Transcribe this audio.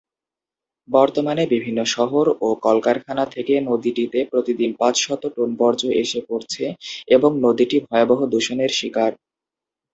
বর্তমানে বিভিন্ন শহর ও কলকারখানা থেকে নদীটিতে প্রতিদিন পাঁচশত টন বর্জ্য এসে পড়ছে এবং নদীটি ভয়াবহ দূষণের শিকার।